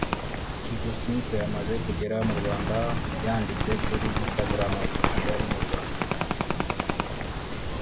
Kgosinkwe amaze kugera mu Rwanda yanditse kuri Instagram ati “Kigali mu Rwanda